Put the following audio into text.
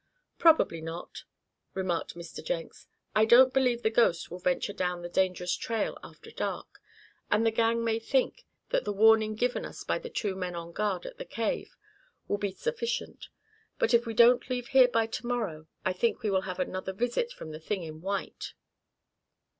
"Probably not," remarked Mr. Jenks. "I don't believe the ghost will venture down the dangerous trail after dark, and the gang may think that the warning given us by the two men on guard at the cave will be sufficient. But if we don't leave here by to morrow I think we will have another visit from the thing in white."